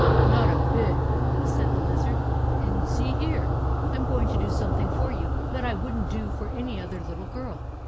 " Not a bit," said the lizard ;" and see here ; I 'm going to do something for you that I would n't do for any other little girl.